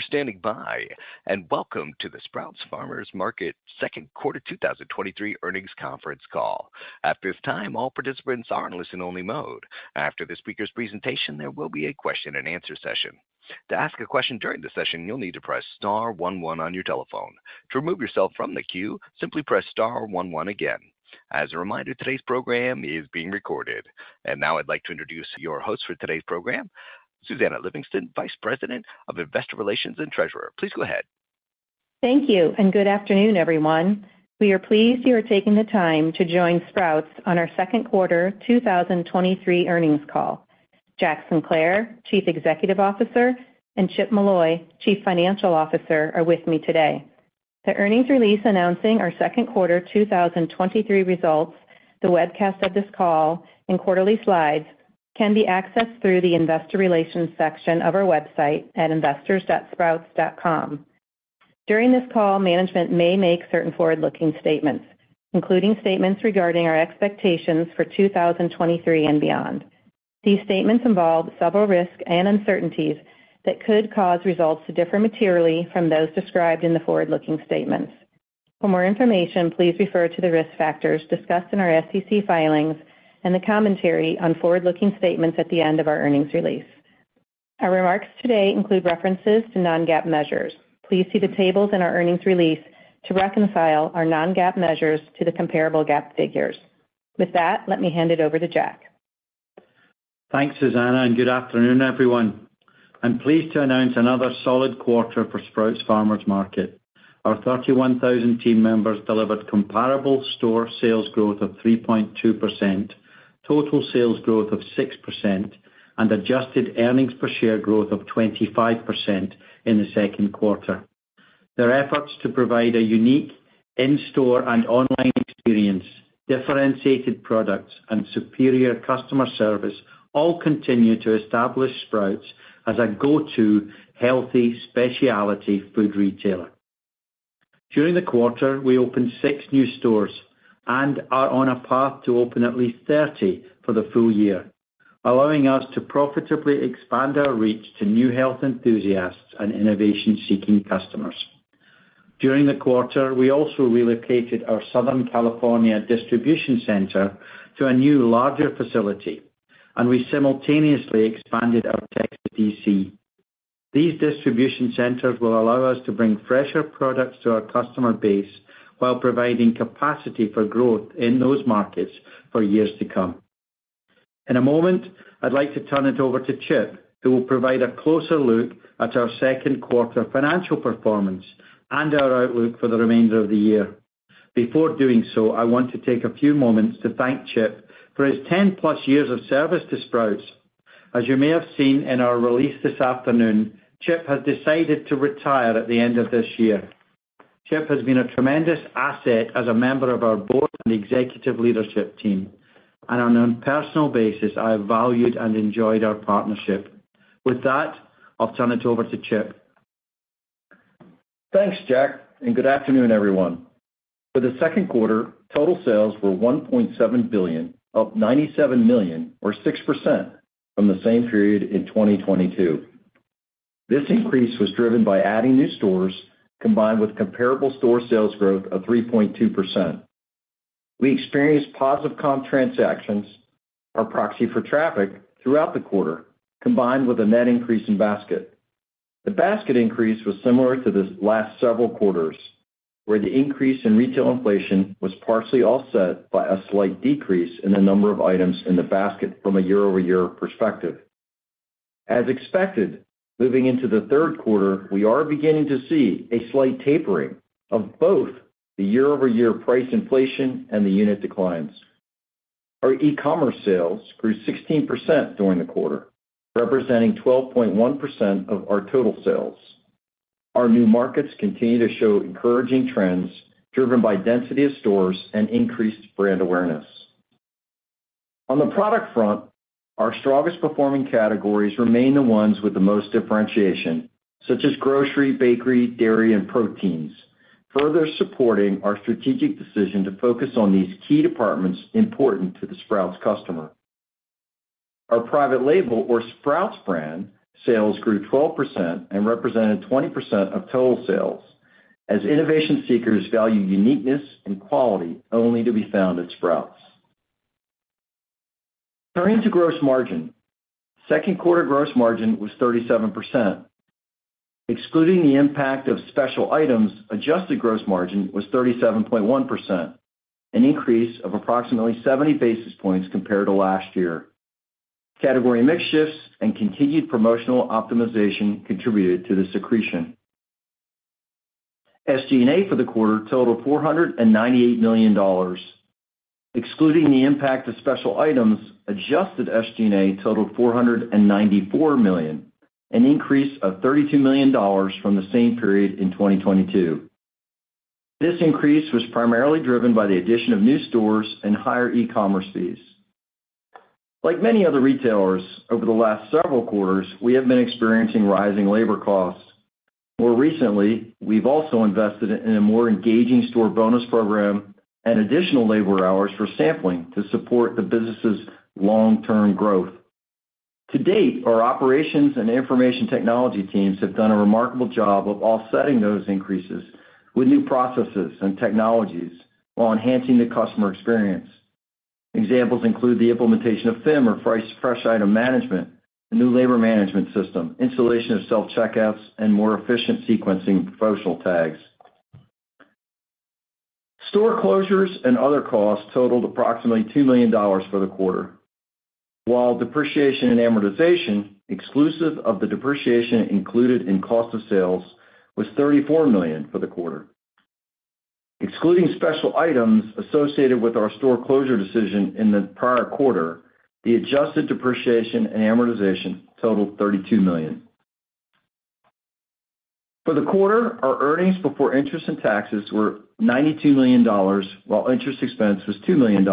We're standing by, welcome to the Sprouts Farmers Market second quarter, 2023 earnings conference call. At this time, all participants are in listen-only mode. After the speaker's presentation, there will be a question-and-answer session. To ask a question during the session, you'll need to press star one one on your telephone. To remove yourself from the queue, simply press star one one again. As a reminder, today's program is being recorded. Now I'd like to introduce your host for today's program, Susannah Livingston, Vice President of Investor Relations and Treasurer. Please go ahead. Thank you, good afternoon, everyone. We are pleased you are taking the time to join Sprouts on our second quarter 2023 earnings call. Jack Sinclair, Chief Executive Officer, and Chip Molloy, Chief Financial Officer, are with me today. The earnings release announcing our second quarter 2023 results, the webcast of this call, and quarterly slides can be accessed through the Investor Relations section of our website at investors.sprouts.com. During this call, management may make certain forward-looking statements, including statements regarding our expectations for 2023 and beyond. These statements involve several risks and uncertainties that could cause results to differ materially from those described in the forward-looking statements. For more information, please refer to the risk factors discussed in our SEC filings and the commentary on forward-looking statements at the end of our earnings release. Our remarks today include references to non-GAAP measures. Please see the tables in our earnings release to reconcile our non-GAAP measures to the comparable GAAP figures. With that, let me hand it over to Jack. Thanks, Susannah, and good afternoon, everyone. I'm pleased to announce another solid quarter for Sprouts Farmers Market. Our 31,000 team members delivered comparable store sales growth of 3.2%, total sales growth of 6%, and adjusted earnings per share growth of 25% in the second quarter. Their efforts to provide a unique in-store and online experience, differentiated products, and superior customer service all continue to establish Sprouts as a go-to healthy specialty food retailer. During the quarter, we opened six new stores and are on a path to open at least 30 for the full year, allowing us to profitably expand our reach to new health enthusiasts and innovation-seeking customers. During the quarter, we also relocated our Southern California distribution center to a new, larger facility, and we simultaneously expanded our Texas DC. These distribution centers will allow us to bring fresher products to our customer base while providing capacity for growth in those markets for years to come. In a moment, I'd like to turn it over to Chip, who will provide a closer look at our second quarter financial performance and our outlook for the remainder of the year. Before doing so, I want to take a few moments to thank Chip for his 10-plus years of service to Sprouts. As you may have seen in our release this afternoon, Chip has decided to retire at the end of this year. Chip has been a tremendous asset as a member of our board and executive leadership team, and on a personal basis, I have valued and enjoyed our partnership. With that, I'll turn it over to Chip. Thanks, Jack. Good afternoon, everyone. For the second quarter, total sales were $1.7 billion, up $97 million or 6% from the same period in 2022. This increase was driven by adding new stores, combined with comparable store sales growth of 3.2%. We experienced positive comp transactions or proxy for traffic throughout the quarter, combined with a net increase in basket. The basket increase was similar to the last several quarters, where the increase in retail inflation was partially offset by a slight decrease in the number of items in the basket from a year-over-year perspective. As expected, moving into the third quarter, we are beginning to see a slight tapering of both the year-over-year price inflation and the unit declines. Our e-commerce sales grew 16% during the quarter, representing 12.1% of our total sales. Our new markets continue to show encouraging trends, driven by density of stores and increased brand awareness. On the product front, our strongest performing categories remain the ones with the most differentiation, such as grocery, bakery, dairy, and proteins, further supporting our strategic decision to focus on these key departments important to the Sprouts customer. Our private label or Sprouts brand, sales grew 12% and represented 20% of total sales, as innovation seekers value uniqueness and quality only to be found at Sprouts. Turning to gross margin. Second quarter gross margin was 37%. Excluding the impact of special items, adjusted gross margin was 37.1%, an increase of approximately 70 basis points compared to last year. Category mix shifts and continued promotional optimization contributed to the accretion. SG&A for the quarter totaled $498 million. Excluding the impact of special items, adjusted SG&A totaled $494 million, an increase of $32 million from the same period in 2022. This increase was primarily driven by the addition of new stores and higher e-commerce fees. Like many other retailers, over the last several quarters, we have been experiencing rising labor costs. More recently, we've also invested in a more engaging store bonus program and additional labor hours for sampling to support the business's long-term growth. To date, our operations and information technology teams have done a remarkable job of offsetting those increases with new processes and technologies while enhancing the customer experience. Examples include the implementation of FIM, or Fresh Item Management, a new labor management system, installation of self-checkouts, and more efficient sequencing promotional tags. Store closures and other costs totaled approximately $2 million for the quarter, while depreciation and amortization, exclusive of the depreciation included in cost of sales, was $34 million for the quarter. Excluding special items associated with our store closure decision in the prior quarter, the adjusted depreciation and amortization totaled $32 million. For the quarter, our earnings before interest and taxes were $92 million, while interest expense was $2 million.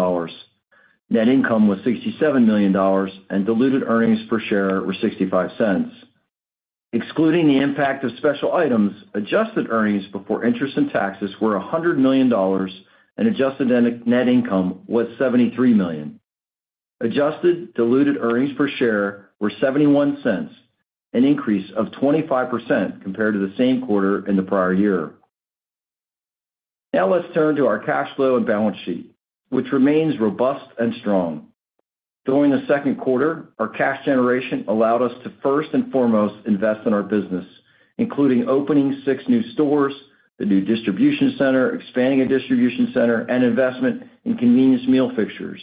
Net income was $67 million, and diluted earnings per share were $0.65. Excluding the impact of special items, adjusted earnings before interest and taxes were $100 million, and adjusted net income was $73 million. Adjusted diluted earnings per share were $0.71, an increase of 25% compared to the same quarter in the prior year. Now let's turn to our cash flow and balance sheet, which remains robust and strong. During the second quarter, our cash generation allowed us to first and foremost invest in our business, including opening six new stores, the new distribution center, expanding a distribution center, and investment in convenience meal fixtures.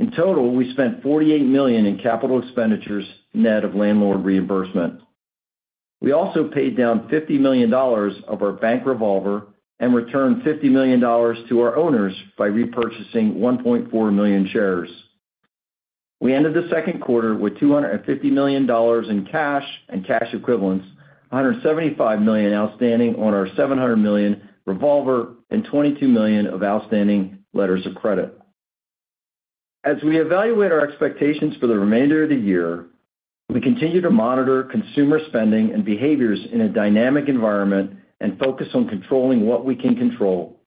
In total, we spent $48 million in capital expenditures, net of landlord reimbursement. We also paid down $50 million of our bank revolver and returned $50 million to our owners by repurchasing 1.4 million shares. We ended the second quarter with $250 million in cash and cash equivalents, $175 million outstanding on our $700 million revolver, and $22 million of outstanding letters of credit. As we evaluate our expectations for the remainder of the year, we continue to monitor consumer spending and behaviors in a dynamic environment and focus on controlling what we can control.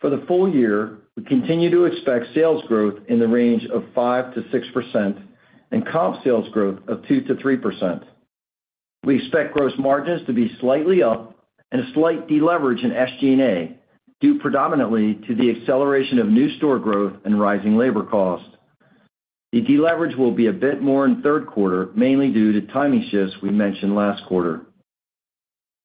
For the full year, we continue to expect sales growth in the range of 5%-6% and comp sales growth of 2%-3%. We expect gross margins to be slightly up and a slight deleverage in SG&A, due predominantly to the acceleration of new store growth and rising labor costs. The deleverage will be a bit more in the third quarter, mainly due to timing shifts we mentioned last quarter.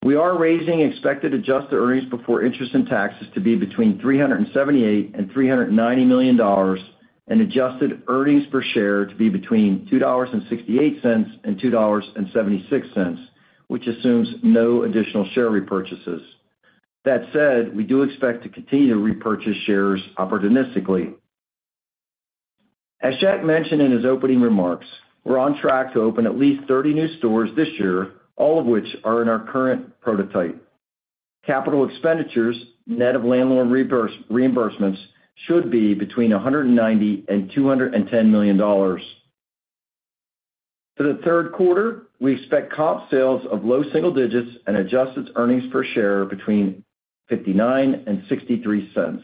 We are raising expected adjusted earnings before interest and taxes to be between $378 million and $390 million, and adjusted earnings per share to be between $2.68 and $2.76, which assumes no additional share repurchases. That said, we do expect to continue to repurchase shares opportunistically. As Jack mentioned in his opening remarks, we're on track to open at least 30 new stores this year, all of which are in our current prototype. Capital expenditures, net of landlord reimbursements, should be between $190 million and $210 million. For the 3rd quarter, we expect comp sales of low single digits and adjusted earnings per share between $0.59 and $0.63.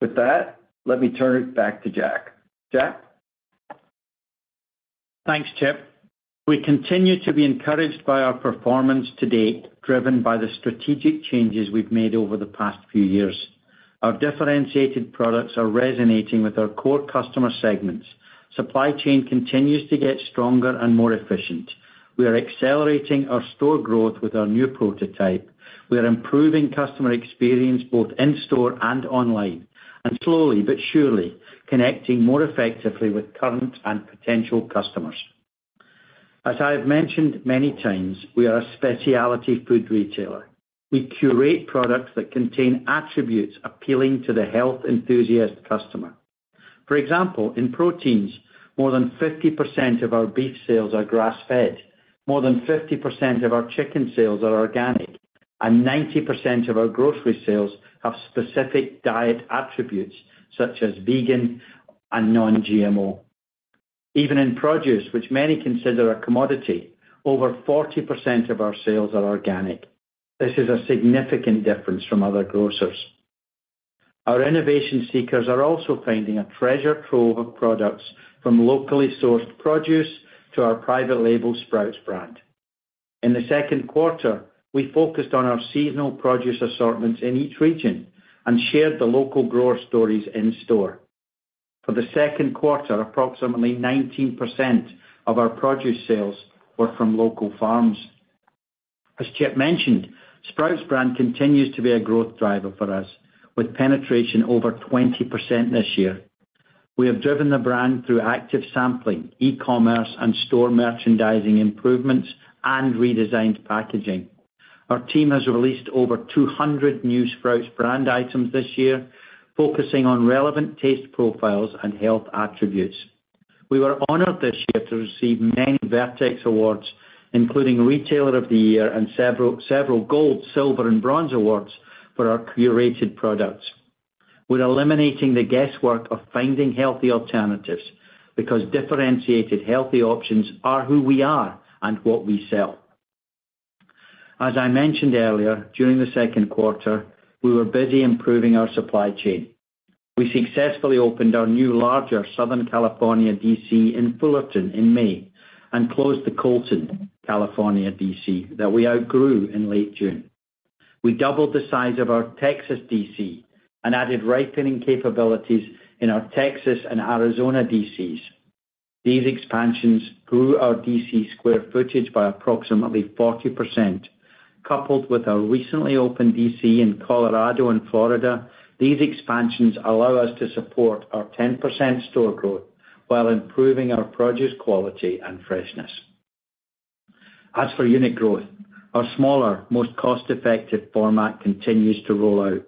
With that, let me turn it back to Jack. Jack? Thanks, Chip. We continue to be encouraged by our performance to date, driven by the strategic changes we've made over the past few years. Our differentiated products are resonating with our core customer segments. Supply chain continues to get stronger and more efficient. We are accelerating our store growth with our new prototype. We are improving customer experience, both in-store and online, and slowly but surely, connecting more effectively with current and potential customers. As I have mentioned many times, we are a specialty food retailer. We curate products that contain attributes appealing to the health enthusiast customer. For example, in proteins, more than 50% of our beef sales are grass-fed, more than 50% of our chicken sales are organic, and 90% of our grocery sales have specific diet attributes, such as vegan and non-GMO. Even in produce, which many consider a commodity, over 40% of our sales are organic. This is a significant difference from other grocers. Our innovation seekers are also finding a treasure trove of products, from locally sourced produce to our private label Sprouts brand. In the second quarter, we focused on our seasonal produce assortments in each region and shared the local grower stories in store. For the second quarter, approximately 19% of our produce sales were from local farms. As Chip mentioned, Sprouts brand continues to be a growth driver for us, with penetration over 20% this year. We have driven the brand through active sampling, e-commerce, and store merchandising improvements, and redesigned packaging. Our team has released over 200 new Sprouts brand items this year, focusing on relevant taste profiles and health attributes. We were honored this year to receive many Velocity awards, including Retailer of the Year and several, several gold, silver, and bronze awards for our curated products. We're eliminating the guesswork of finding healthy alternatives because differentiated, healthy options are who we are and what we sell.... As I mentioned earlier, during the second quarter, we were busy improving our supply chain. We successfully opened our new, larger Southern California DC in Fullerton in May and closed the Colton, California, DC that we outgrew in late June. We doubled the size of our Texas DC and added ripening capabilities in our Texas and Arizona DCs. These expansions grew our DC square footage by approximately 40%. Coupled with our recently opened DC in Colorado and Florida, these expansions allow us to support our 10% store growth while improving our produce quality and freshness. As for unit growth, our smaller, most cost-effective format continues to roll out.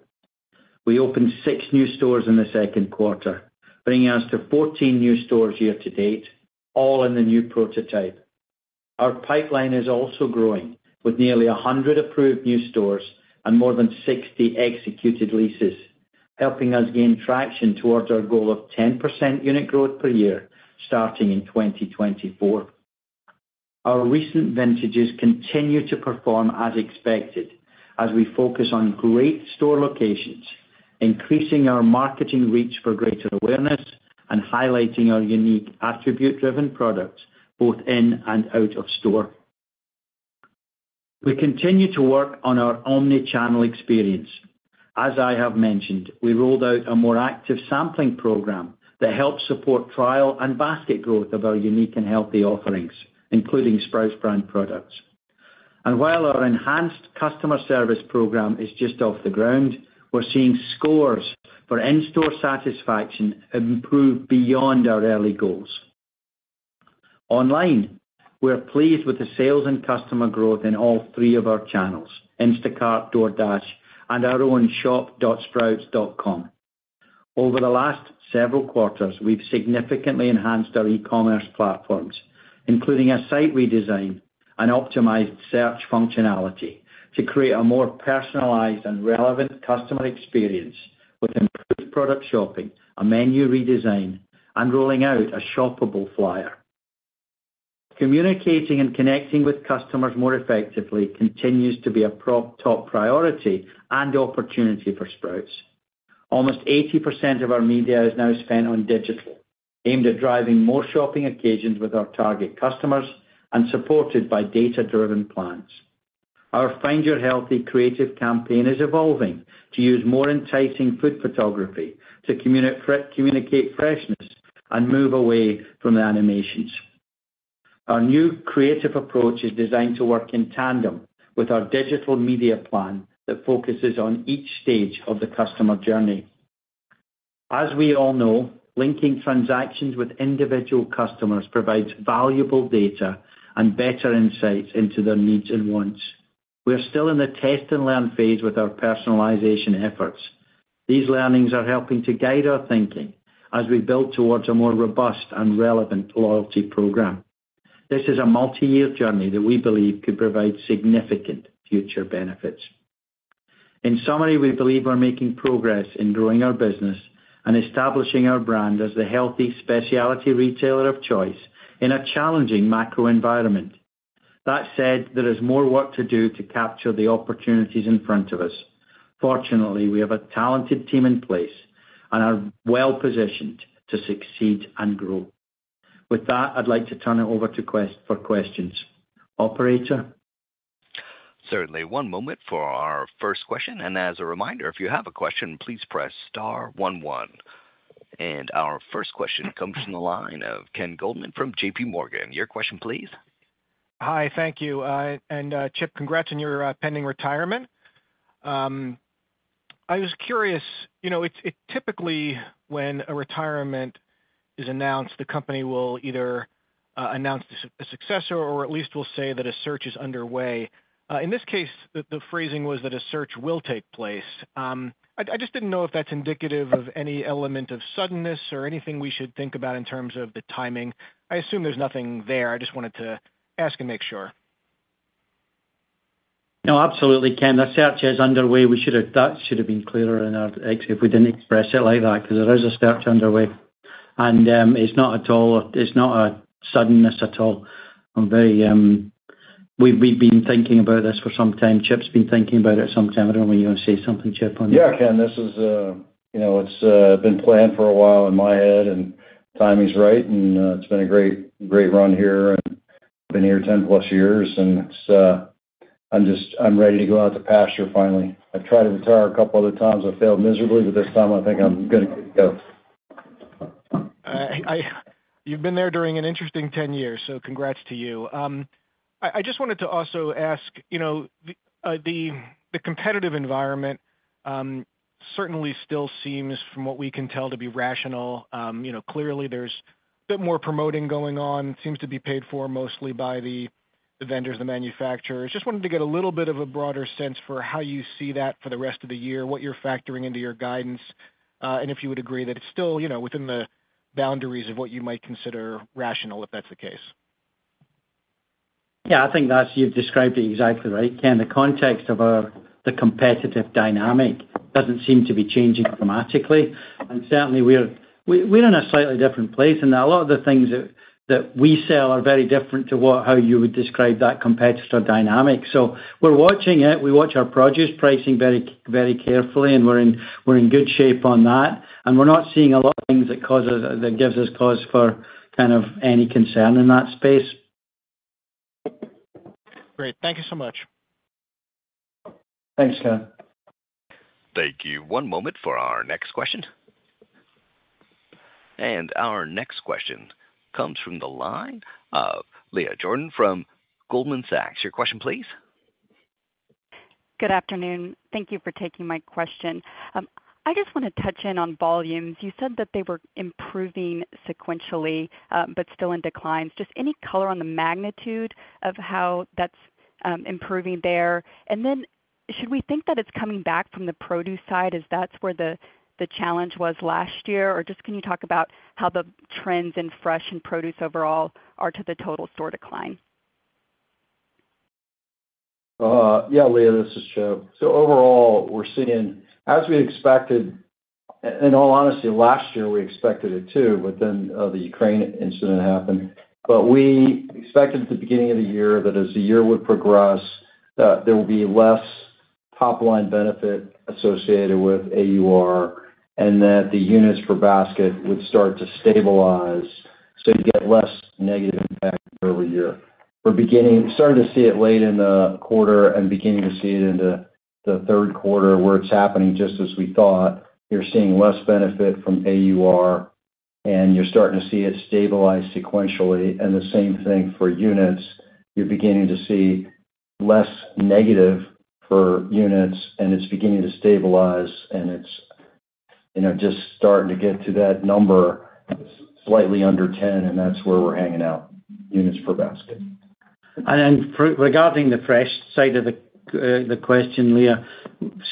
We opened 6 new stores in the second quarter, bringing us to 14 new stores year to date, all in the new prototype. Our pipeline is also growing, with nearly 100 approved new stores and more than 60 executed leases, helping us gain traction towards our goal of 10% unit growth per year, starting in 2024. Our recent vintages continue to perform as expected as we focus on great store locations, increasing our marketing reach for greater awareness, and highlighting our unique attribute-driven products, both in and out of store. We continue to work on our omni-channel experience. As I have mentioned, we rolled out a more active sampling program that helps support trial and basket growth of our unique and healthy offerings, including Sprouts brand products. While our enhanced customer service program is just off the ground, we're seeing scores for in-store satisfaction improve beyond our early goals. Online, we are pleased with the sales and customer growth in all three of our channels, Instacart, DoorDash, and our own shop.sprouts.com. Over the last several quarters, we've significantly enhanced our e-commerce platforms, including a site redesign and optimized search functionality, to create a more personalized and relevant customer experience with improved product shopping, a menu redesign, and rolling out a shoppable flyer. Communicating and connecting with customers more effectively continues to be a top priority and opportunity for Sprouts. Almost 80% of our media is now spent on digital, aimed at driving more shopping occasions with our target customers and supported by data-driven plans. Our Find Your Healthy creative campaign is evolving to use more enticing food photography to communicate freshness and move away from the animations. Our new creative approach is designed to work in tandem with our digital media plan that focuses on each stage of the customer journey. As we all know, linking transactions with individual customers provides valuable data and better insights into their needs and wants. We are still in the test and learn phase with our personalization efforts. These learnings are helping to guide our thinking as we build towards a more robust and relevant loyalty program. This is a multiyear journey that we believe could provide significant future benefits. In summary, we believe we're making progress in growing our business and establishing our brand as the healthy specialty retailer of choice in a challenging macro environment. That said, there is more work to do to capture the opportunities in front of us. Fortunately, we have a talented team in place and are well-positioned to succeed and grow. With that, I'd like to turn it over for questions. Operator? Certainly. One moment for our first question. As a reminder, if you have a question, please press star one, one. Our first question comes from the line of Ken Goldman from JP Morgan. Your question, please. Hi, thank you. Chip, congrats on your pending retirement. I was curious, typically, when a retirement is announced, the company will either announce a successor or at least will say that a search is underway. In this case, the phrasing was that a search will take place. I just didn't know if that's indicative of any element of suddenness or anything we should think about in terms of the timing. I assume there's nothing there. I just wanted to ask and make sure. No, absolutely, Ken. The search is underway. That should have been clearer actually, we didn't express it like that because there is a search underway, and, it's not a suddenness at all. We've, we've been thinking about this for some time. Chip's been thinking about it some time. You want to say something, Chip, on that? Yeah, Ken it's been planned for a while in my head. Timing's right. It's been a great, great run here. Been here 10+ years. It's, I'm just, I'm ready to go out to pasture finally. I've tried to retire a couple other times. I've failed miserably, but this time I think I'm good to go. You've been there during an interesting 10 years. Congrats to you. I just wanted to also ask the competitive environment certainly still seems, from what we can tell, to be rational. Clearly, there's a bit more promoting going on, seems to be paid for mostly by the vendors, the manufacturers. Just wanted to get a little bit of a broader sense for how you see that for the rest of the year, what you're factoring into your guidance, and if you would agree that it's still, you know, within the boundaries of what you might consider rational, if that's the case? Yeah, that's, you've described it exactly right, Ken. The context of the competitive dynamic doesn't seem to be changing dramatically. Certainly, we're, we're in a slightly different place, and a lot of the things that, that we sell are very different to what, how you would describe that competitor dynamic. We're watching it. We watch our produce pricing very, very carefully, and we're in, we're in good shape on that, and we're not seeing a lot of things that gives us cause for kind of any concern in that space. Great. Thank you so much. Thanks, Ken. Thank you. One moment for our next question. Our next question comes from the line of Leah Jordan from Goldman Sachs. Your question, please. Good afternoon. Thank you for taking my question. I just want to touch in on volumes. You said that they were improving sequentially, but still in declines. Just any color on the magnitude of how that's improving there? Then should we think that it's coming back from the produce side, as that's where the, the challenge was last year? Just can you talk about how the trends in fresh and produce overall are to the total store decline? Yeah, Leah, this is Chip. Overall, we're seeing, as we expected, in all honesty, last year, we expected it too, but then, the Ukraine incident happened. We expected at the beginning of the year that as the year would progress, that there would be less top-line benefit associated with AUR and that the units per basket would start to stabilize, so you get less negative impact over year. We're starting to see it late in the quarter and beginning to see it into the third quarter, where it's happening just as we thought. You're seeing less benefit from AUR, and you're starting to see it stabilize sequentially, and the same thing for units. You're beginning to see less negative for units, and it's beginning to stabilize, and it's just starting to get to that number, slightly under 10, and that's where we're hanging out, units per basket. For regarding the fresh side of the question, Leah,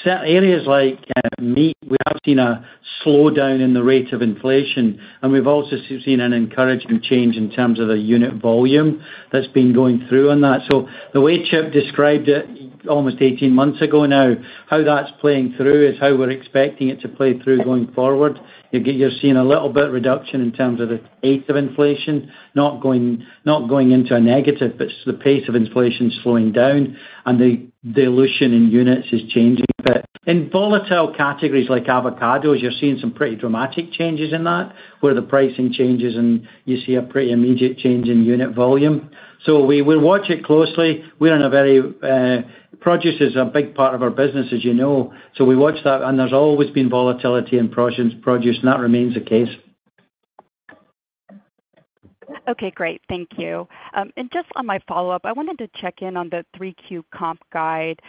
areas like meat, we have seen a slowdown in the rate of inflation, and we've also seen an encouraging change in terms of the unit volume that's been going through on that. The way Chip described it, almost 18 months ago now, how that's playing through is how we're expecting it to play through going forward. You're seeing a little bit reduction in terms of the rate of inflation, not going, not going into a negative, but the pace of inflation is slowing down, and the dilution in units is changing a bit. In volatile categories like avocados, you're seeing some pretty dramatic changes in that, where the pricing changes, and you see a pretty immediate change in unit volume. We, we watch it closely. We're in a very, produce is a big part of our business, as you know, so we watch that, and there's always been volatility in produce, and that remains the case. Okay, great. Thank you. Just on my follow-up, I wanted to check in on the 3Q comp guide.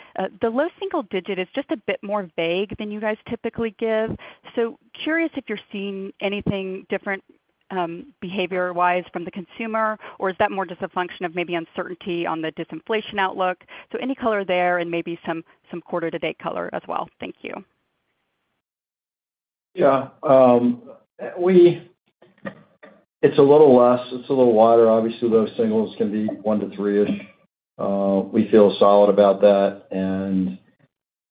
The low single digit is just a bit more vague than you guys typically give. Curious if you're seeing anything different, behavior-wise from the consumer, or is that more just a function of maybe uncertainty on the disinflation outlook? Any color there and maybe some, some quarter-to-date color as well. Thank you. Yeah, it's a little less, it's a little wider. Obviously, low singles can be 1 to three-ish. We feel solid about that.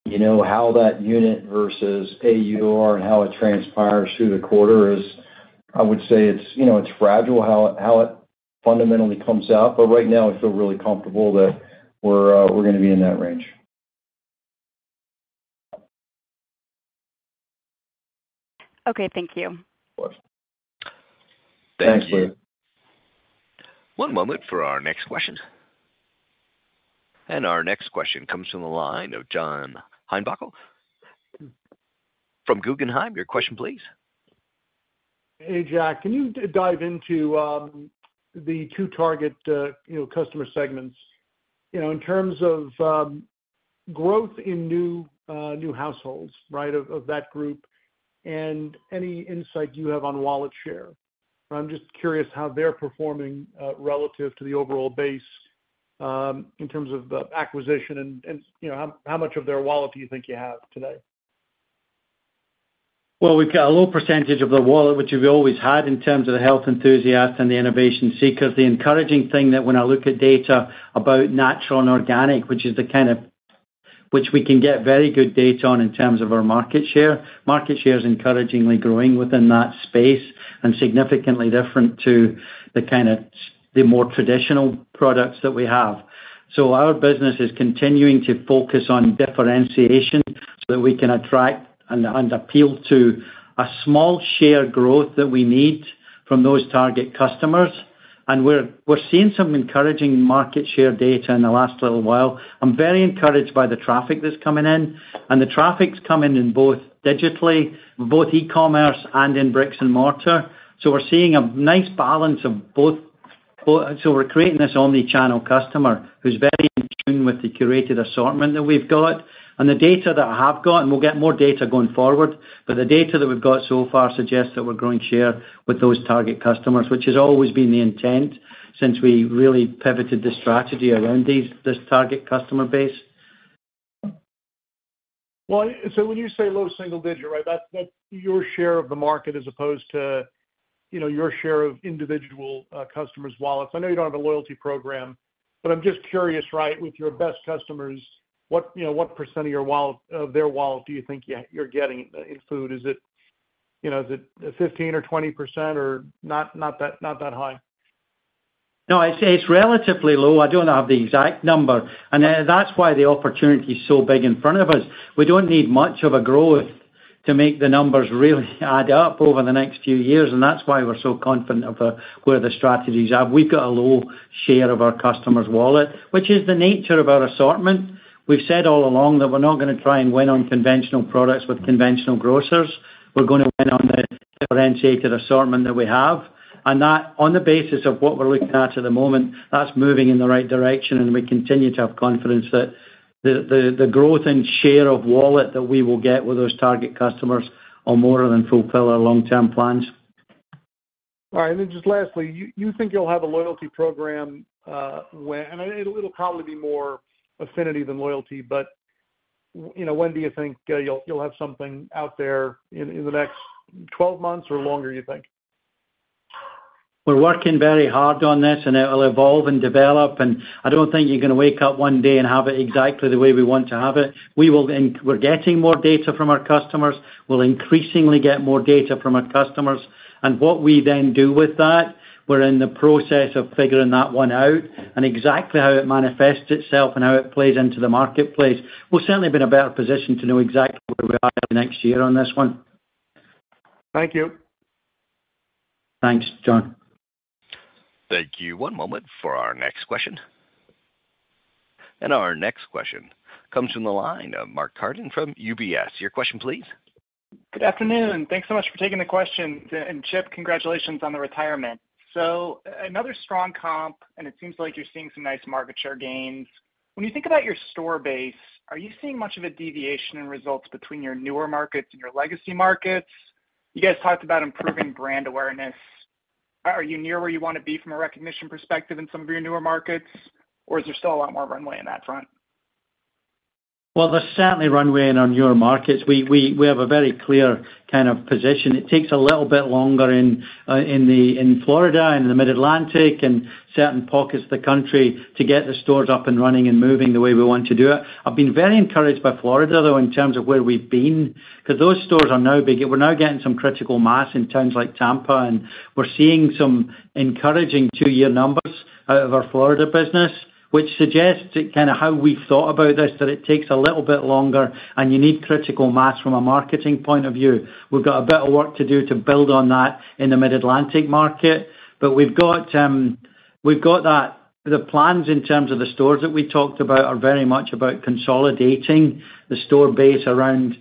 You know, how that unit versus AUR and how it transpires through the quarter is, I would say it's fragile how it fundamentally comes out. Right now, I feel really comfortable that we're gonna be in that range. Okay, thank you. Of course. Thanks, Leah. One moment for our next question. Our next question comes from the line of John Heinbockle from Guggenheim. Your question, please. Hey, Jack, can you dive into the two target customer segments? In terms of growth in new households, right, of that group, and any insight you have on wallet share. I'm just curious how they're performing relative to the overall base, in terms of the acquisition and how much of their wallet do you think you have today? Well, we've got a low % of the wallet, which we've always had in terms of the health enthusiast and the innovation seekers. The encouraging thing that when I look at data about natural and organic, which is the kind of which we can get very good data on in terms of our market share, market share is encouragingly growing within that space and significantly different to the kind of the more traditional products that we have. Our business is continuing to focus on differentiation so that we can attract and, and appeal to a small share growth that we need from those target customers. We're, we're seeing some encouraging market share data in the last little while. I'm very encouraged by the traffic that's coming in, and the traffic's coming in both digitally, both e-commerce and in bricks and mortar. We're seeing a nice balance of both. We're creating this omni-channel customer who's very in tune with the curated assortment that we've got. The data that I have got, and we'll get more data going forward, but the data that we've got so far suggests that we're growing share with those target customers, which has always been the intent since we really pivoted the strategy around these, this target customer base. When you say low single-digit, right, that's your share of the market as opposed to your share of individual customers' wallets. I know you don't have a loyalty program, but I'm just curious, right, with your best customers, what, you know, what percent of your wallet, of their wallet do you think you, you're getting in food? Is it, you know, is it 15% or 20% or not, not that, not that high? No, I'd say it's relatively low. I don't have the exact number, and that's why the opportunity is so big in front of us. We don't need much of a growth to make the numbers really add up over the next few years, and that's why we're so confident of where the strategies are. We've got a low share of our customers' wallet, which is the nature of our assortment. We've said all along that we're not gonna try and win on conventional products with conventional grocers. We're gonna win on the differentiated assortment that we have. That on the basis of what we're looking at the moment, that's moving in the right direction, and we continue to have confidence that the, the, the growth and share of wallet that we will get with those target customers are more than fulfill our long-term plans. All right. Then just lastly, you, you think you'll have a loyalty program, and it'll probably be more affinity than loyalty, but when do you think you'll have something out there in the next 12 months or longer, you think? We're working very hard on this, it'll evolve and develop, I don't think you're gonna wake up one day and have it exactly the way we want to have it. We're getting more data from our customers. We'll increasingly get more data from our customers, what we then do with that, we're in the process of figuring that one out and exactly how it manifests itself and how it plays into the marketplace. We'll certainly be in a better position to know exactly where we are next year on this one. Thank you. Thanks, John. Thank you. One moment for our next question. Our next question comes from the line of Mark Carden from UBS. Your question, please. Good afternoon. Thanks so much for taking the question, and Chip, congratulations on the retirement. Another strong comp, and it seems like you're seeing some nice market share gains. When you think about your store base, are you seeing much of a deviation in results between your newer markets and your legacy markets? You guys talked about improving brand awareness. Are you near where you want to be from a recognition perspective in some of your newer markets, or is there still a lot more runway in that front? Well, there's certainly runway in our newer markets. We have a very clear kind of position. It takes a little bit longer in Florida and the Mid-Atlantic and certain pockets of the country to get the stores up and running and moving the way we want to do it. I've been very encouraged by Florida, though, in terms of where we've been, 'cause those stores are now big. We're now getting some critical mass in towns like Tampa, and we're seeing some encouraging two-year numbers out of our Florida business, which suggests kind of how we've thought about this, that it takes a little bit longer, and you need critical mass from a marketing point of view. We've got a bit of work to do to build on that in the Mid-Atlantic market, but we've got, we've got that. The plans in terms of the stores that we talked about are very much about consolidating the store base around,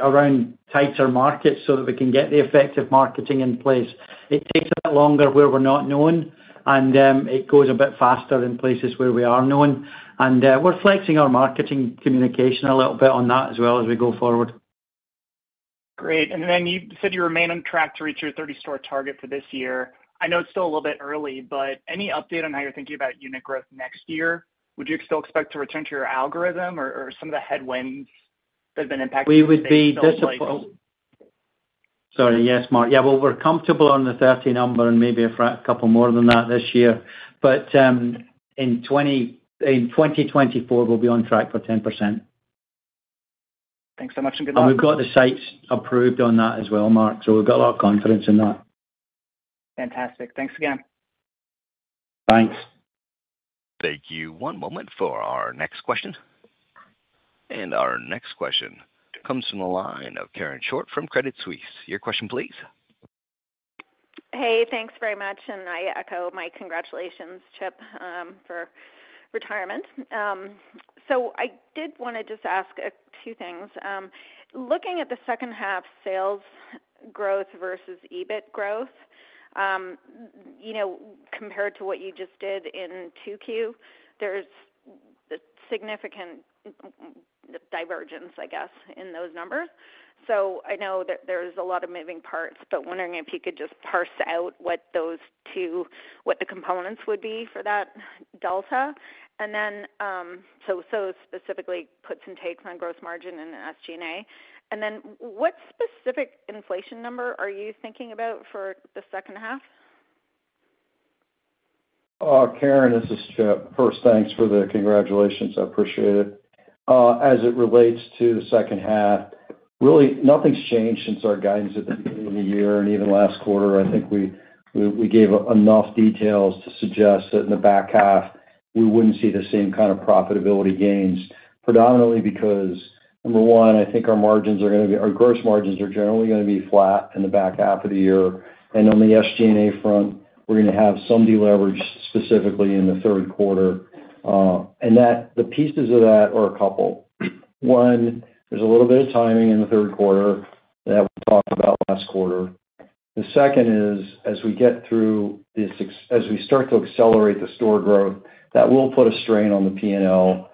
around tighter markets so that we can get the effective marketing in place. It takes a bit longer where we're not known, and it goes a bit faster in places where we are known. We're flexing our marketing communication a little bit on that as well as we go forward. Great. Then you said you remain on track to reach your 30-store target for this year. I know it's still a little bit early, but any update on how you're thinking about unit growth next year? Would you still expect to return to your algorithm or, or some of the headwinds that have been impacting? We would be disappointed. Sorry. Yes, Mark. Yeah, well, we're comfortable on the 30 number and maybe a couple more than that this year, but, in 2024, we'll be on track for 10%. Thanks so much and good luck. We've got the sites approved on that as well, Mark, so we've got a lot of confidence in that. Fantastic. Thanks again. Thanks. Thank you. One moment for our next question. Our next question comes from the line of Karen Short from Credit Suisse. Your question, please. Hey, thanks very much, and I echo my congratulations, Chip, for retirement. I did wanna just ask a few things. Looking at the second half sales growth versus EBIT growth, you know, compared to what you just did in 2Q, there's significant divergence, I guess, in those numbers. I know that there's a lot of moving parts, but wondering if you could just parse out what the components would be for that delta. And then specifically puts and takes on gross margin and the SG&A. And then what specific inflation number are you thinking about for the second half? Karen, this is Chip. First, thanks for the congratulations. I appreciate it. As it relates to the second half, really, nothing's changed since our guidance at the beginning of the year and even last quarter. We gave enough details to suggest that in the back half, we wouldn't see the same kind of profitability gains. Predominantly because, number one, I think our gross margins are generally gonna be flat in the back half of the year. On the SG&A front, we're gonna have some deleverage, specifically in the third quarter. That, the pieces of that are a couple. One, there's a little bit of timing in the third quarter that we talked about last quarter. The second is, as we get through this as we start to accelerate the store growth, that will put a strain on the P&L.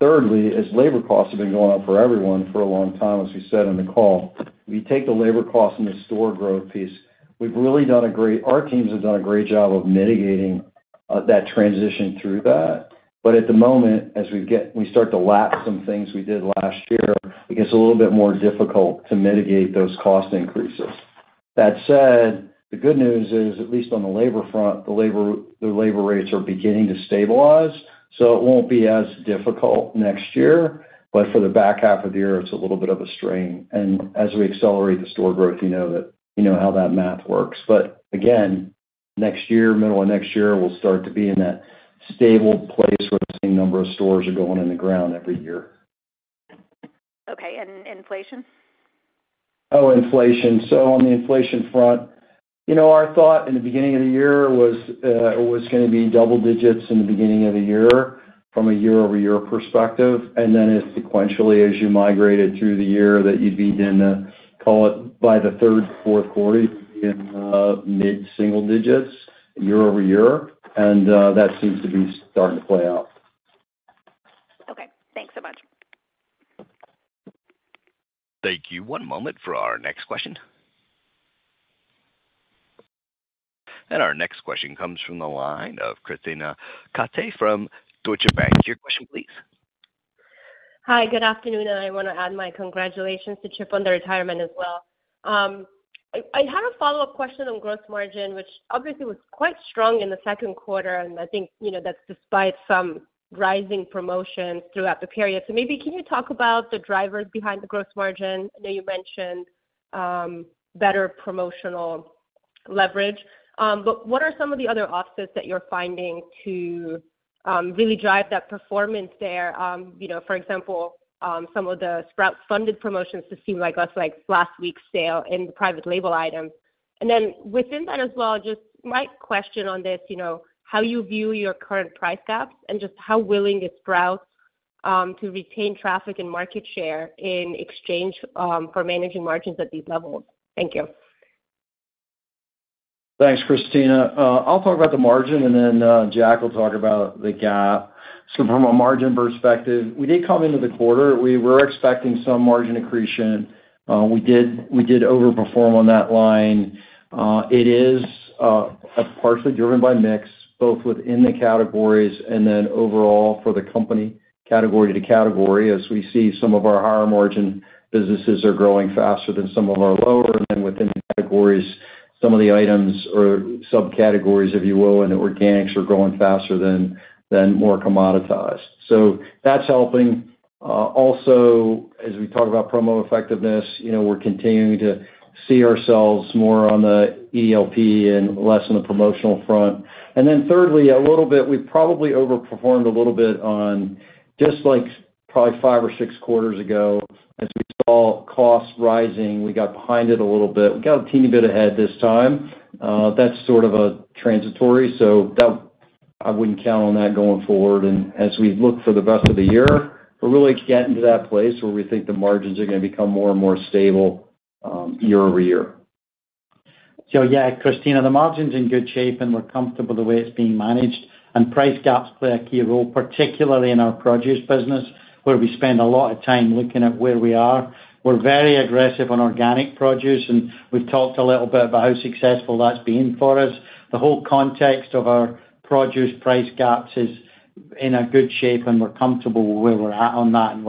Thirdly, as labor costs have been going up for everyone for a long time, as we said on the call, we take the labor cost and the store growth piece. We've really done a great job of mitigating that transition through that. At the moment, as we start to lap some things we did last year, it gets a little bit more difficult to mitigate those cost increases. That said, the good news is, at least on the labor front, the labor, the labor rates are beginning to stabilize, so it won't be as difficult next year. For the back half of the year, it's a little bit of a strain. As we accelerate the store growth, you know that, you know how that math works, but again, next year, middle of next year, we'll start to be in that stable place where the same number of stores are going in the ground every year. Okay, inflation? Oh, inflation. On the inflation front, our thought in the beginning of the year was, it was gonna be double digits in the beginning of the year from a year-over-year perspective, and then sequentially, as you migrated through the year, that you'd be in the, call it, by the 3rd, 4th quarter, in mid-single digits year-over-year, and that seems to be starting to play out. Okay, thanks so much. Thank you. One moment for our next question. Our next question comes from the line of Krisztina Katai from Deutsche Bank. Your question, please. Hi, good afternoon. I want to add my congratulations to Chip Molloy on the retirement as well. I had a follow-up question on gross margin, which obviously was quite strong in the 2nd quarter, and that's despite some rising promotions throughout the period. Maybe can you talk about the drivers behind the gross margin? I know you mentioned better promotional leverage, but what are some of the other offsets that you're finding to really drive that performance there? You know, for example, some of the Sprouts-funded promotions to seem like less like last week's sale in the private label items. Then within that as well, just my question on this how you view your current price gaps and just how willing is Sprouts to retain traffic and market share in exchange for managing margins at these levels? Thank you. Thanks, Christina. I'll talk about the margin, and then Jack will talk about the GAAP. From a margin perspective, we did come into the quarter. We were expecting some margin accretion. We did, we did overperform on that line. It is partially driven by mix, both within the categories and then overall for the company, category to category, as we see some of our higher-margin businesses are growing faster than some of our lower, and within the categories, some of the items or subcategories, if you will, and the organics are growing faster than more commoditized. That's helping. Also, as we talk about promo effectiveness, you know, we're continuing to see ourselves more on the ELP and less on the promotional front. Thirdly, a little bit, we probably overperformed a little bit on just like probably five or six quarters ago, as we saw costs rising, we got behind it a little bit. We got a teeny bit ahead this time. That's sort of a transitory, so that I wouldn't count on that going forward. As we look for the rest of the year, we're really getting to that place where we think the margins are gonna become more and more stable, year-over-year. Yeah, Krisztina, the margin's in good shape, and we're comfortable with the way it's being managed, and price gaps play a key role, particularly in our produce business, where we spend a lot of time looking at where we are. We're very aggressive on organic produce, and we've talked a little bit about how successful that's been for us. The whole context of our produce price gaps is in a good shape, and we're comfortable where we're at on that, and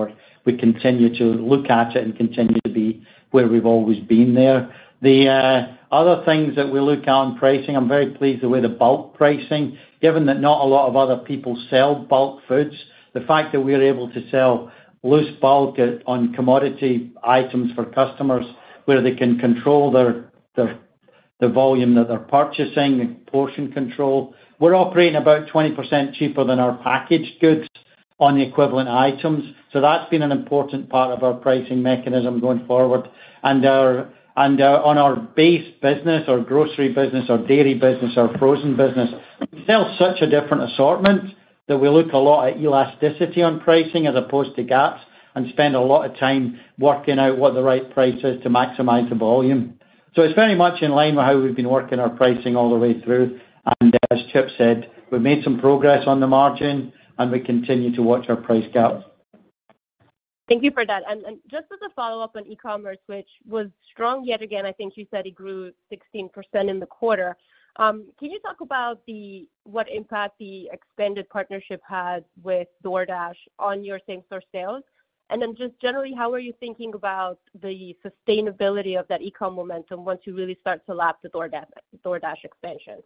we continue to look at it and continue to be where we've always been there. The other things that we look at on pricing, I'm very pleased with the bulk pricing, given that not a lot of other people sell bulk foods. The fact that we are able to sell loose bulk on commodity items for customers, where they can control their, the volume that they're purchasing, the portion control. We're operating about 20% cheaper than our packaged goods on the equivalent items. That's been an important part of our pricing mechanism going forward. Our base business, our grocery business, our dairy business, our frozen business, we sell such a different assortment that we look a lot at elasticity on pricing as opposed to gaps and spend a lot of time working out what the right price is to maximize the volume. It's very much in line with how we've been working our pricing all the way through. As Chip said, we've made some progress on the margin, and we continue to watch our price gaps. Thank you for that. Just as a follow-up on e-commerce, which was strong yet again, I think you said it grew 16% in the quarter. Can you talk about what impact the expanded partnership has with DoorDash on your same store sales? Then just generally, how are you thinking about the sustainability of that e-com momentum once you really start to lap the DoorDash, DoorDash expansion?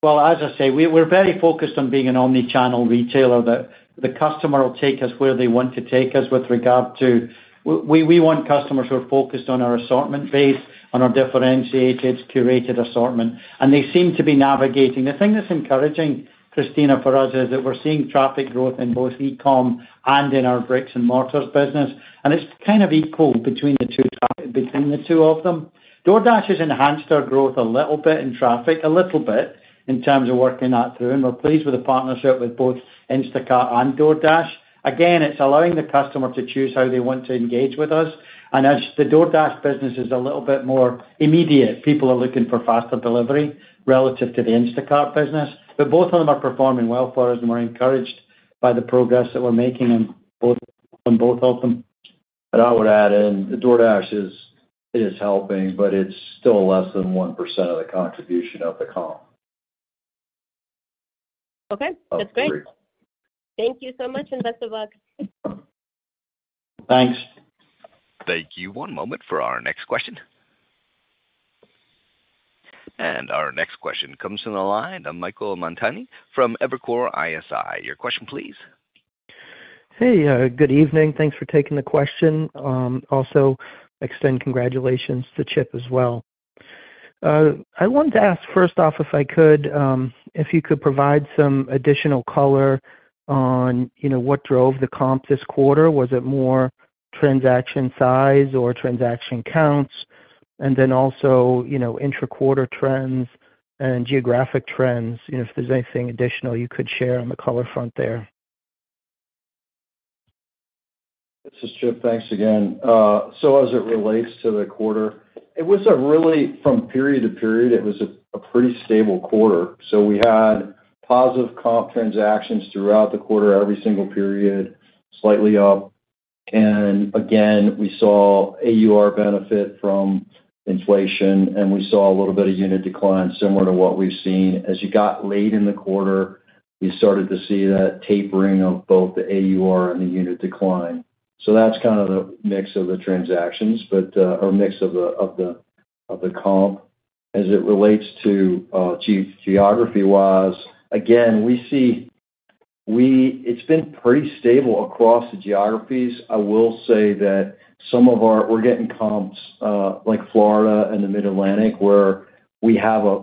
Well, as I say, we're very focused on being an omni-channel retailer, that the customer will take us where they want to take us. We want customers who are focused on our assortment base, on our differentiated, curated assortment, and they seem to be navigating. The thing that's encouraging, Christina, for us, is that we're seeing traffic growth in both e-com and in our bricks and mortars business, and it's kind of equal between the two of them. DoorDash has enhanced our growth a little bit in traffic, a little bit in terms of working that through, and we're pleased with the partnership with both Instacart and DoorDash. Again, it's allowing the customer to choose how they want to engage with us. As the DoorDash business is a little bit more immediate, people are looking for faster delivery relative to the Instacart business. Both of them are performing well for us, and we're encouraged by the progress that we're making on both, on both of them. I would add in, DoorDash is, is helping, but it's still less than 1% of the contribution of the comp. Okay, that's great. Thank you so much, Best of luck. Thanks. Thank you. One moment for our next question. Our next question comes from the line of Michael Montani from Evercore ISI. Your question, please. Hey, good evening. Thanks for taking the question. Also extend congratulations to Chip as well. I wanted to ask, first off, if you could provide some additional color on, what drove the comp this quarter? Was it more transaction size or transaction counts? Then also, you know, intra-quarter trends and geographic trends, you know, if there's anything additional you could share on the color front there. This is Chip. Thanks again. As it relates to the quarter, it was a really, from period to period, it was a pretty stable quarter. We had positive comp transactions throughout the quarter, every single period, slightly up. Again, we saw AUR benefit from inflation, and we saw a little bit of unit decline, similar to what we've seen. As you got late in the quarter, we started to see that tapering of both the AUR and the unit decline. That's kind of the mix of the transactions, but, or mix of the comp. As it relates to geography-wise, again, we see. It's been pretty stable across the geographies. I will say that some of our. We're getting comps, like Florida and the Mid-Atlantic, where we have a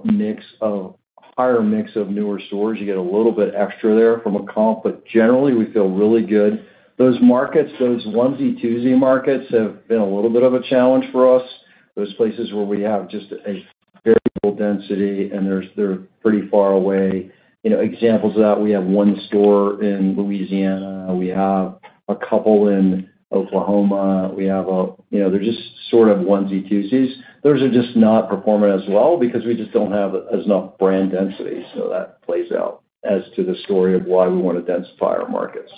higher mix of newer stores. You get a little bit extra there from a comp, but generally, we feel really good. Those markets, those onesie-twosie markets, have been a little bit of a challenge for us. Those places where we have just a variable density, they're pretty far away. You know, examples of that, we have one store in Louisiana, we have a couple in Oklahoma. You know, they're just sort of onesie-twosies. Those are just not performing as well because we just don't have as enough brand density. That plays out as to the story of why we want to densify our markets.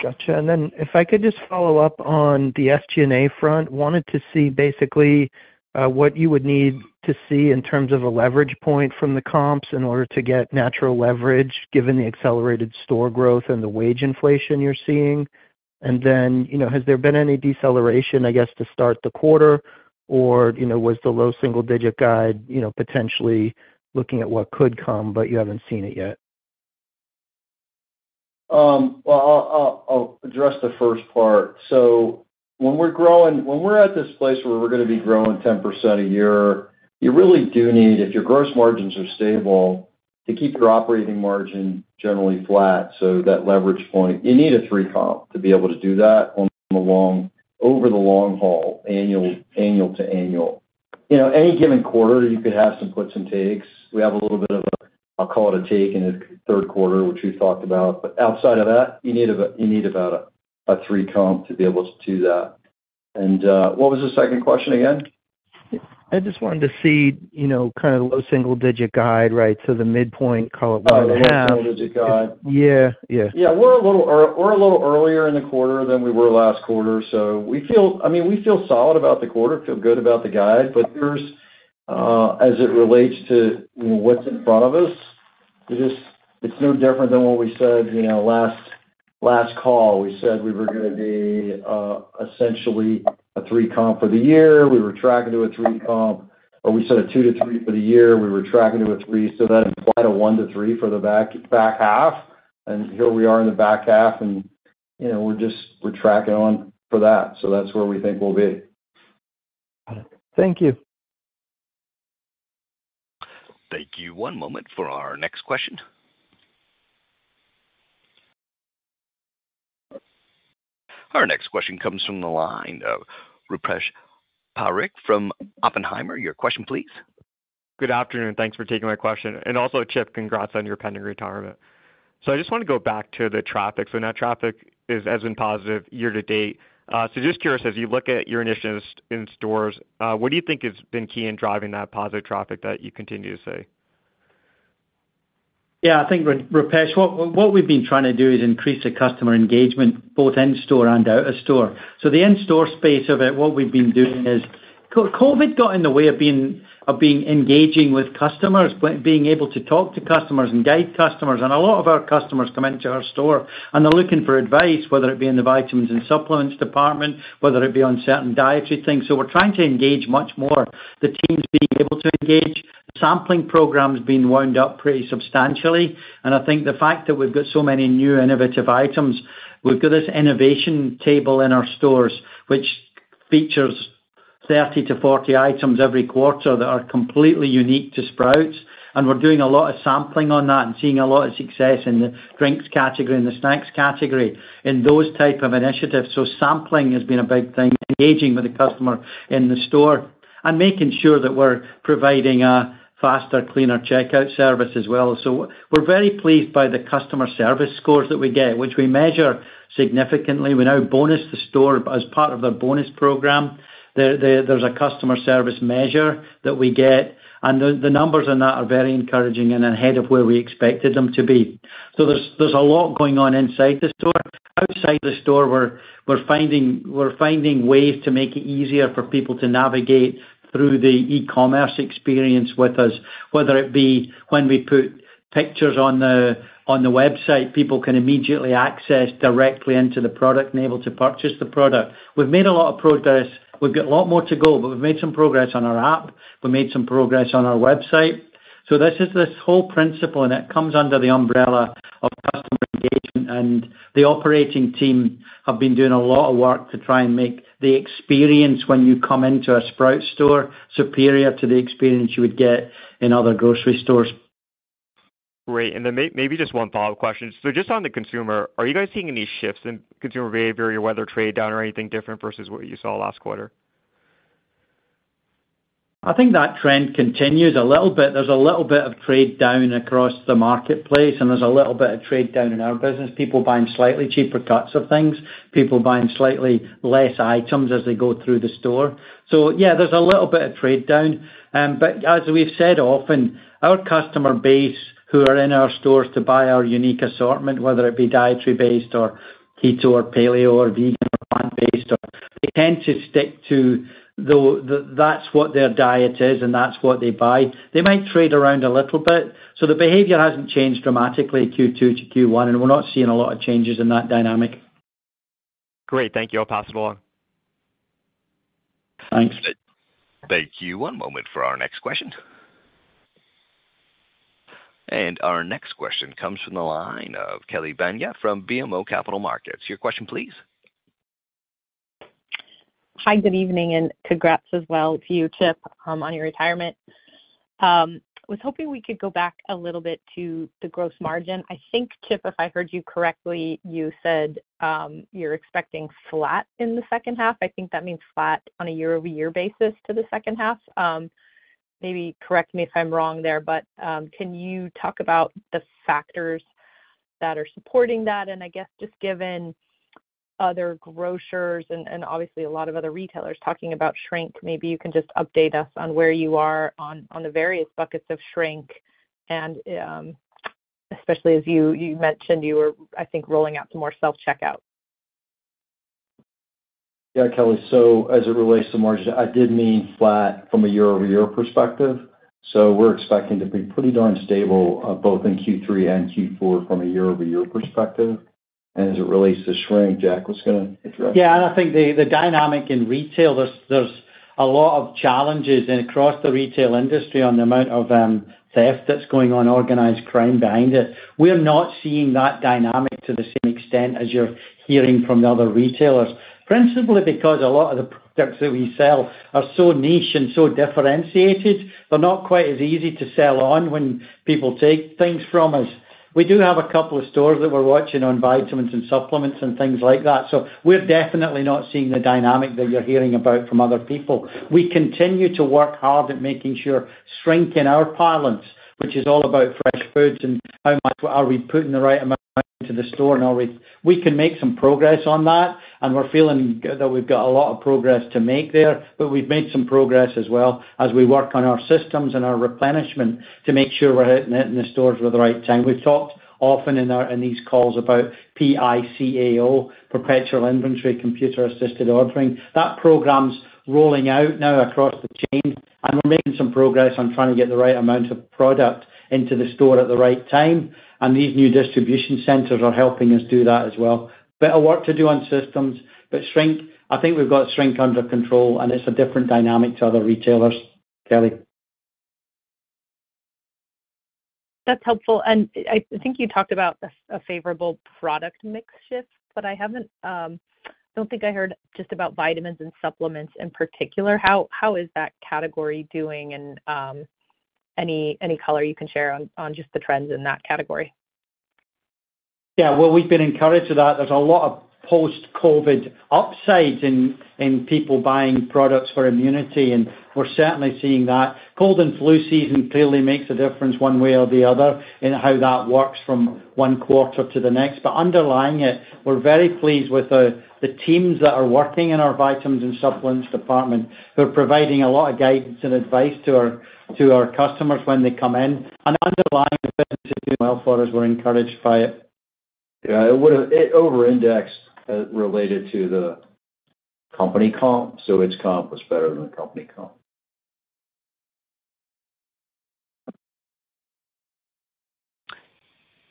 Gotcha. Then if I could just follow up on the SG&A front, wanted to see basically, what you would need to see in terms of a leverage point from the comps in order to get natural leverage, given the accelerated store growth and the wage inflation you're seeing? Then has there been any deceleration to start the quarter? Or, was the low single digit guide, you know, potentially looking at what could come, but you haven't seen it yet? Well, I'll address the first part. When we're growing-- when we're at this place where we're gonna be growing 10% a year, you really do need, if your gross margins are stable, to keep your operating margin generally flat. That leverage point, you need a 3 comp to be able to do that on the long-- over the long haul, annual to annual. You know, any given quarter, you could have some puts and takes. We have a little bit of a, I'll call it a take, in the third quarter, which we've talked about. Outside of that, you need a, you need about a, a 3 comp to be able to do that. What was the second question again? I just wanted to see kind of low single digit guide, right? The midpoint, call it 1.5. Oh, the low single digit guide. Yeah, yeah. We're a little we're a little earlier in the quarter than we were last quarter, so we feel solid about the quarter, feel good about the guide, but there's as it relates to what's in front of us, it's just, it's no different than what we said last call. We said we were gonna be essentially a 3 comp for the year. We were tracking to a 3 comp, or we said a 2-3 for the year. We were tracking to a 3, so that implied a 1-3 for the back, back half. Here we are in the back half, and, you know, we're just, we're tracking on for that. That's where we think we'll be. Got it. Thank you. Thank you. One moment for our next question. Our next question comes from the line of Rupesh Parikh from Oppenheimer. Your question, please. Good afternoon, thanks for taking my question. Also, Chip, congrats on your pending retirement. I just want to go back to the traffic. Net traffic is as in positive year to date. Just curious, as you look at your initiatives in stores, what do you think has been key in driving that positive traffic that you continue to see? Yeah, I think, Rupesh, what we've been trying to do is increase the customer engagement, both in store and out of store. The in-store space of it, what we've been doing is. COVID got in the way of being engaging with customers, but being able to talk to customers and guide customers. A lot of our customers come into our store, and they're looking for advice, whether it be in the vitamins and supplements department, whether it be on certain dietary things. We're trying to engage much more, the teams being able to engage. Sampling programs being wound up pretty substantially. The fact that we've got so many new innovative items, we've got this innovation table in our stores, which features 30-40 items every quarter that are completely unique to Sprouts. We're doing a lot of sampling on that and seeing a lot of success in the drinks category and the snacks category, in those type of initiatives. Sampling has been a big thing, engaging with the customer in the store and making sure that we're providing a faster, cleaner checkout service as well. We're very pleased by the customer service scores that we get, which we measure significantly. We now bonus the store as part of their bonus program. There, there, there's a customer service measure that we get, and the, the numbers on that are very encouraging and ahead of where we expected them to be. There's, there's a lot going on inside the store. Outside the store, we're finding ways to make it easier for people to navigate through the e-commerce experience with us, whether it be when we put pictures on the website, people can immediately access directly into the product and able to purchase the product. We've made a lot of progress. We've got a lot more to go, but we've made some progress on our app. We've made some progress on our website. This is this whole principle, and it comes under the umbrella of customer engagement, and the operating team have been doing a lot of work to try and make the experience when you come into a Sprouts store, superior to the experience you would get in other grocery stores. Great. Then maybe just one follow-up question. Just on the consumer, are you guys seeing any shifts in consumer behavior or whether trade down or anything different versus what you saw last quarter? I think that trend continues a little bit. There's a little bit of trade down across the marketplace, and there's a little bit of trade down in our business. People buying slightly cheaper cuts of things, people buying slightly less items as they go through the store. Yeah, there's a little bit of trade down. As we've said, often, our customer base, who are in our stores to buy our unique assortment, whether it be dietary based or keto or paleo or vegan or plant-based, or they tend to stick to that's what their diet is and that's what they buy. They might trade around a little bit, so the behavior hasn't changed dramatically Q2 to Q1, and we're not seeing a lot of changes in that dynamic. Great. Thank you. I'll pass it along. Thanks. Thank you. One moment for our next question. Our next question comes from the line of Kelly Bania from BMO Capital Markets. Your question, please. Hi, good evening, and congrats as well to you, Chip, on your retirement. Was hoping we could go back a little bit to the gross margin. I think, Chip, if I heard you correctly, you said, you're expecting flat in the second half. I think that means flat on a year-over-year basis to the second half. Correct me if I'm wrong there, but can you talk about the factors that are supporting that? Just given other grocers and obviously a lot of other retailers talking about shrink, maybe you can just update us on where you are on the various buckets of shrink and, especially as you mentioned you were, I think, rolling out some more self-checkouts. Yeah, Kelly. As it relates to margin, I did mean flat from a year-over-year perspective. We're expecting to be pretty darn stable, both in Q3 and Q4 from a year-over-year perspective. As it relates to shrink, Jack, what's gonna address? Yeah, the dynamic in retail, there's, there's a lot of challenges across the retail industry on the amount of theft that's going on, organized crime behind it. We're not seeing that dynamic to the same extent as you're hearing from the other retailers. Principally, because a lot of the products that we sell are so niche and so differentiated, they're not quite as easy to sell on when people take things from us. We do have a couple of stores that we're watching on vitamins and supplements and things like that, we're definitely not seeing the dynamic that you're hearing about from other people. We continue to work hard at making sure shrink in our parlance, which is all about fresh foods and how much are we putting the right amount into the store. We can make some progress on that, and we're feeling that we've got a lot of progress to make there, but we've made some progress as well as we work on our systems and our replenishment to make sure we're hitting it in the stores with the right time. We've talked often in these calls about PICAO, Perpetual Inventory Computer Assisted Ordering. That program's rolling out now across the chain, and we're making some progress on trying to get the right amount of product into the store at the right time, and these new distribution centers are helping us do that as well. Better work to do on systems, but shrink, we've got shrink under control, and it's a different dynamic to other retailers, Kelly. That's helpful. I think you talked about a, a favorable product mix shift, but I haven't, don't think I heard just about vitamins and supplements in particular. How is that category doing? Any color you can share on, on just the trends in that category? Yeah, well, we've been encouraged to that. There's a lot of post-COVID upsides in, in people buying products for immunity, and we're certainly seeing that. Cold and flu season clearly makes a difference one way or the other in how that works from one quarter to the next. Underlying it, we're very pleased with the, the teams that are working in our vitamins and supplements department, who are providing a lot of guidance and advice to our, to our customers when they come in. Underlying well for us, we're encouraged by it. Yeah, it would, it over indexed, related to the company comp, so its comp was better than the company comp.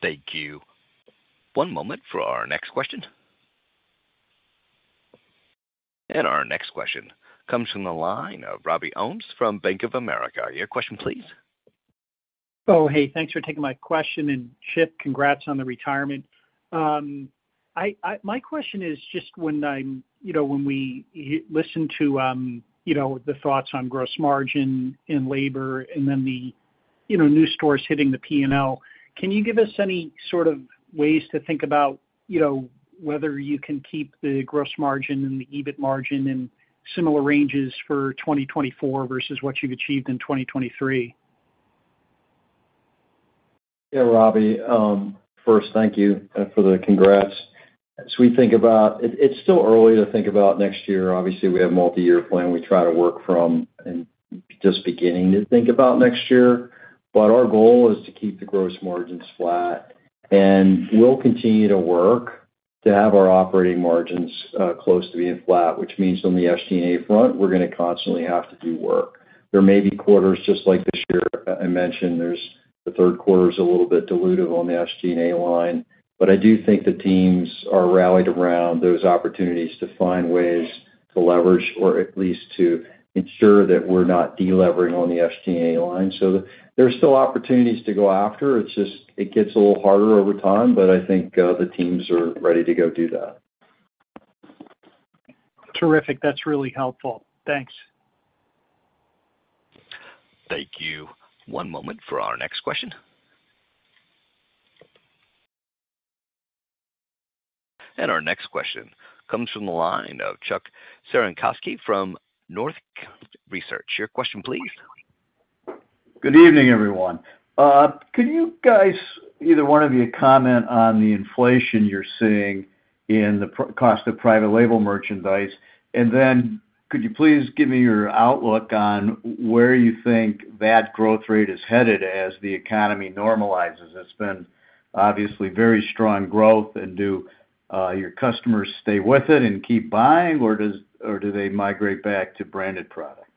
Thank you. One moment for our next question. Our next question comes from the line of Robbie Ohmes from Bank of America. Your question, please. Oh, hey, thanks for taking my question. Chip, congrats on the retirement. My question is just when we listen to the thoughts on gross margin and labor and then the new stores hitting the P&L, can you give us any sort of ways to think about, you know, whether you can keep the gross margin and the EBIT margin in similar ranges for 2024 versus what you've achieved in 2023? Yeah, Robbie, first, thank you for the congrats. As we think about, it's still early to think about next year. Obviously, we have a multiyear plan we try to work from and just beginning to think about next year. Our goal is to keep the gross margins flat, and we'll continue to work to have our operating margins close to being flat, which means on the SG&A front, we're going to constantly have to do work. There may be quarters, just like this year, I mentioned, the third quarter's a little bit dilutive on the SG&A line. I do think the teams are rallied around those opportunities to find ways to leverage or at least to ensure that we're not delevering on the SG&A line. There are still opportunities to go after. It's just, it gets a little harder over time, but I think, the teams are ready to go do that. Terrific. That's really helpful. Thanks. Thank you. One moment for our next question. Our next question comes from the line of Chuck Cerankosky from Northcoast Research. Your question, please. Good evening, everyone. Could you guys, either one of you, comment on the inflation you're seeing in the cost of private label merchandise? Then could you please give me your outlook on where you think that growth rate is headed as the economy normalizes? It's been obviously very strong growth, and do your customers stay with it and keep buying, or do they migrate back to branded product?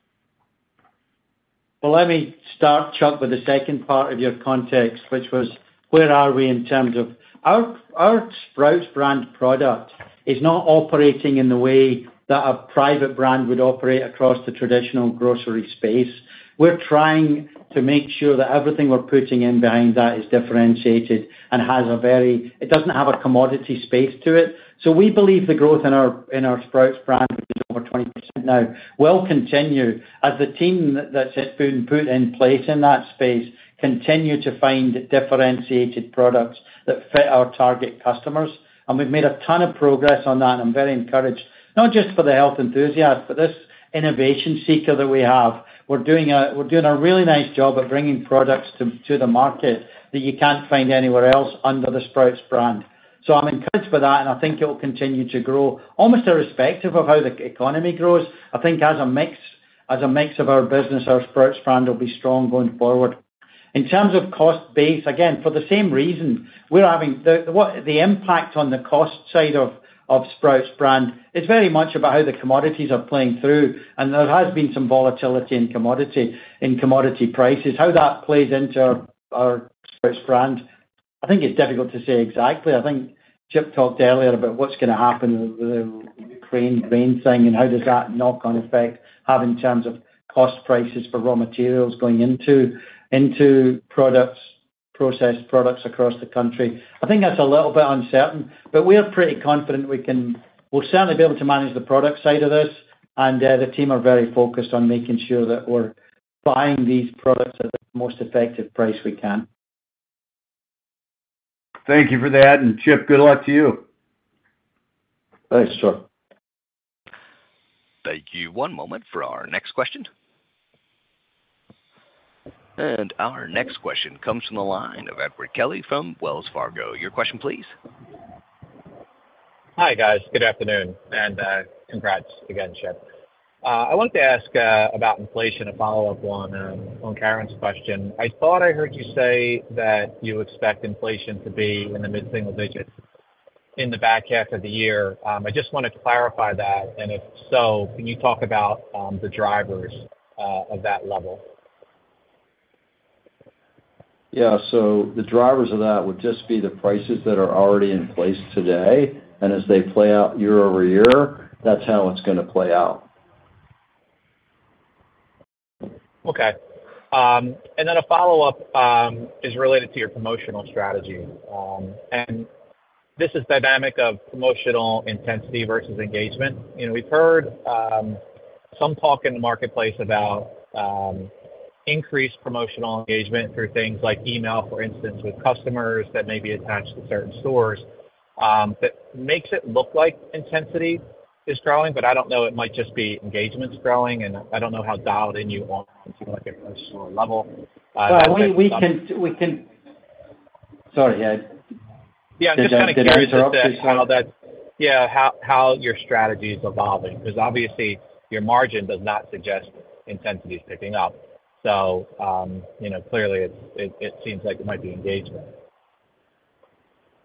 Well, let me start, Chuck, with the second part of your context, which was, where are we in terms of Our Sprouts brand product is not operating in the way that a private brand would operate across the traditional grocery space. We're trying to make sure that everything we're putting in behind that is differentiated and has a very, it doesn't have a commodity space to it. We believe the growth in our Sprouts brand, which is over 20% now, will continue as the team that's been put in place in that space continue to find differentiated products that fit our target customers. We've made a ton of progress on that. I'm very encouraged, not just for the health enthusiast, but this innovation seeker that we have. We're doing a really nice job of bringing products to the market that you can't find anywhere else under the Sprouts brand. So I'm encouraged by that, and I think it will continue to grow, almost irrespective of how the economy grows. I think as a mix of our business, our Sprouts brand will be strong going forward. In terms of cost base, again, for the same reason, we're having the impact on the cost side of Sprouts brand is very much about how the commodities are playing through, and there has been some volatility in commodity prices. How that plays into our Sprouts brand, I think it's difficult to say exactly. I think Chip talked earlier about what's going to happen with the Ukraine grain thing and how does that knock-on effect have in terms of cost prices for raw materials going into, into products, processed products across the country. I think that's a little bit uncertain, but we are pretty confident we'll certainly be able to manage the product side of this, and the team are very focused on making sure that we're buying these products at the most effective price we can. Thank you for that, and Chip, good luck to you. Thanks, Chuck. Thank you. One moment for our next question. Our next question comes from the line of Edward Kelly from Wells Fargo. Your question, please. Hi, guys. Good afternoon, and congrats again, Chip. I wanted to ask about inflation, a follow-up on on Karen's question. I thought I heard you say that you expect inflation to be in the mid-single digits in the back half of the year. I just wanted to clarify that, and if so, can you talk about the drivers of that level? Yeah, the drivers of that would just be the prices that are already in place today, and as they play out year over year, that's how it's going to play out. Okay, and then a follow-up, is related to your promotional strategy. This is dynamic of promotional intensity versus engagement. You know, we've heard, some talk in the marketplace about, increased promotional engagement through things like email, for instance, with customers that may be attached to certain stores, that makes it look like intensity is growing, but I don't know, it might just be engagement's growing, and I don't know how dialed in you are on, like, a personal level. Well, we can. Sorry, I. Yeah, I'm just kind of curious as to- Did I interrupt you, sorry? How your strategy is evolving, because obviously, your margin does not suggest intensity is picking up. Clearly it, it, it seems like it might be engagement.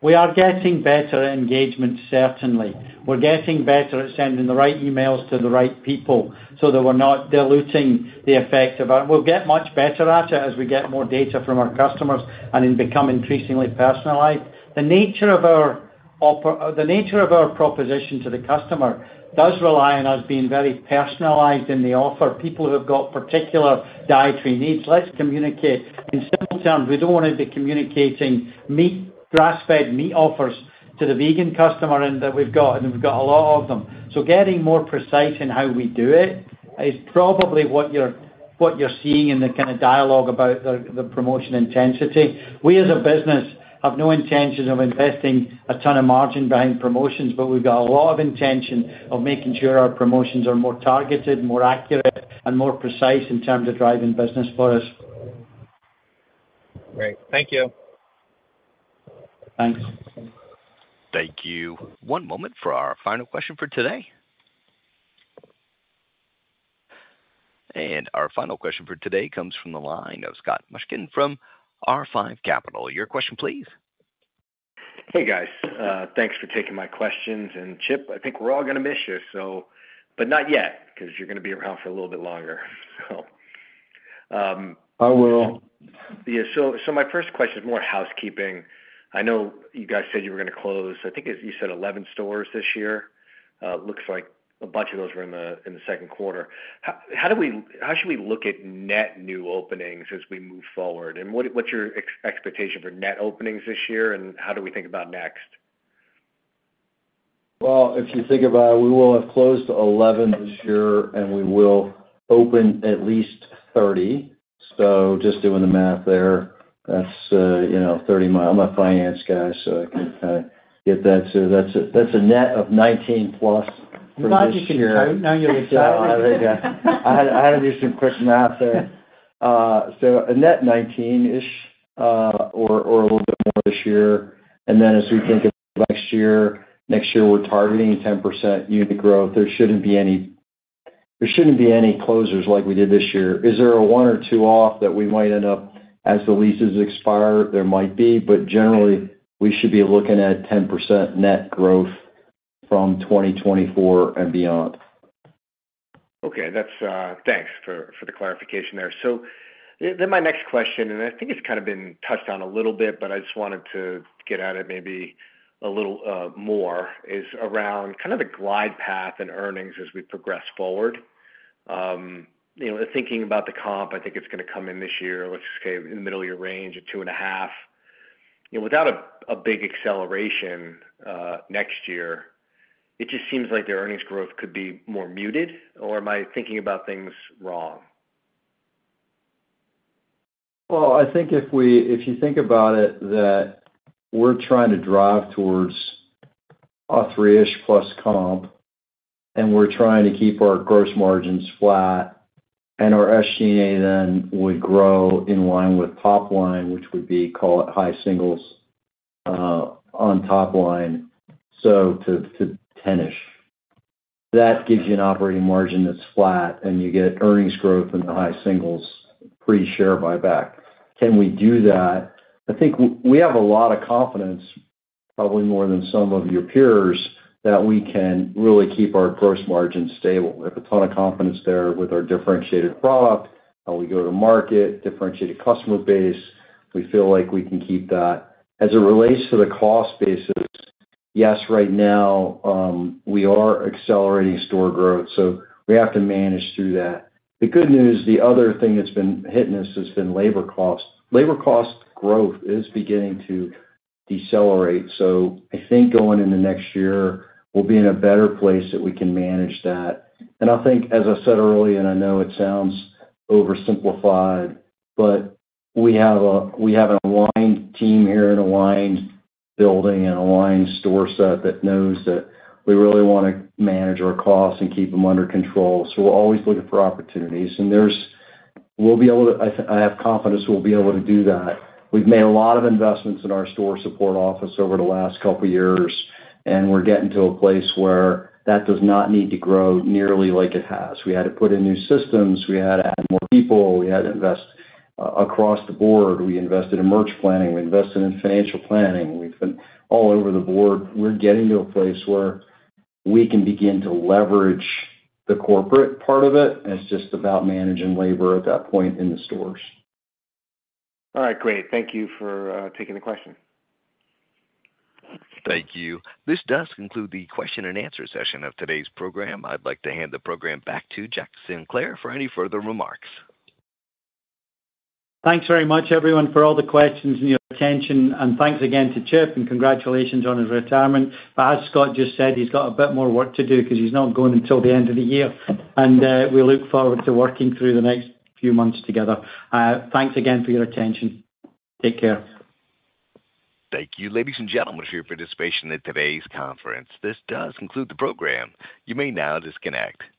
We are getting better at engagement, certainly. We're getting better at sending the right emails to the right people so that we're not diluting the effect of. We'll get much better at it as we get more data from our customers and it become increasingly personalized. The nature of our. The nature of our proposition to the customer does rely on us being very personalized in the offer. People who have got particular dietary needs, let's communicate. In simple terms, we don't want to be communicating meat, grass-fed meat offers to the vegan customer, and that we've got, and we've got a lot of them. Getting more precise in how we do it is probably what you're, what you're seeing in the kind of dialogue about the, the promotion intensity. We, as a business, have no intentions of investing a ton of margin behind promotions, but we've got a lot of intention of making sure our promotions are more targeted, more accurate, and more precise in terms of driving business for us. Great. Thank you. Thanks. Thank you. One moment for our final question for today. Our final question for today comes from the line of Scott Mushkin from R5 Capital. Your question, please. Hey, guys. Thanks for taking my questions. Chip, I think we're all gonna miss you. Not yet, 'cause you're gonna be around for a little bit longer. I will. Yeah. My first question is more housekeeping. I know you guys said you were gonna close, I think you said 11 stores this year. Looks like a bunch of those were in the, in the second quarter. How do we how should we look at net new openings as we move forward? What, what's your expectation for net openings this year, and how do we think about next? Well, if you think about it, we will have closed 11 this year, and we will open at least 30. Just doing the math there, that's 30, I'm a finance guy, so I can get that. That's a net of 19+ for this year. I'm glad you can count. Now you're gonna count. Yeah, I had to do some quick math there, so a net 19-ish, or, or a little bit more this year. Then, as we think of next year, next year, we're targeting a 10% unit growth. There shouldn't be any, there shouldn't be any closures like we did this year. Is there a 1 or 2 off that we might end up as the leases expire? There might be, but generally, we should be looking at 10% net growth from 2024 and beyond. Okay, that's. Thanks for, for the clarification there. Then my next question, and I think it's kind of been touched on a little bit, but I just wanted to get at it maybe a little more, is around kind of the glide path and earnings as we progress forward. You know, thinking about the comp, I think it's gonna come in this year, let's say, in the middle of your range at 2.5. Without a big acceleration next year, it just seems like the earnings growth could be more muted, or am I thinking about things wrong? If you think about it, that we're trying to drive towards a three-ish plus comp, and we're trying to keep our gross margins flat, and our SG&A then would grow in line with top line, which would be, call it, high singles on top line, so to, to 10-ish. That gives you an operating margin that's flat, and you get earnings growth in the high singles, pretty share buyback. Can we do that? I think we have a lot of confidence, probably more than some of your peers, that we can really keep our gross margins stable. We have a ton of confidence there with our differentiated product, how we go to market, differentiated customer base. We feel like we can keep that. As it relates to the cost basis, yes, right now, we are accelerating store growth, so we have to manage through that. The good news, the other thing that's been hitting us has been labor costs. Labor cost growth is beginning to decelerate, so I think going in the next year, we'll be in a better place that we can manage that. As I said earlier, and I know it sounds oversimplified, but we have an aligned team here, an aligned building and aligned store set that knows that we really wanna manage our costs and keep them under control. We're always looking for opportunities, and we'll be able to. I have confidence we'll be able to do that. We've made a lot of investments in our store support office over the last couple of years. We're getting to a place where that does not need to grow nearly like it has. We had to put in new systems. We had to add more people. We had to invest across the board. We invested in merch planning. We invested in financial planning. We've been all over the board. We're getting to a place where we can begin to leverage the corporate part of it. It's just about managing labor at that point in the stores. All right, great. Thank you for taking the question. Thank you. This does conclude the question and answer session of today's program. I'd like to hand the program back to Jack Sinclair for any further remarks. Thanks very much, everyone, for all the questions and your attention. Thanks again to Chip, and congratulations on his retirement. As Scott just said, he's got a bit more work to do because he's not going until the end of the year. We look forward to working through the next few months together. Thanks again for your attention. Take care. Thank you, ladies and gentlemen, for your participation in today's conference. This does conclude the program. You may now disconnect. Goodbye.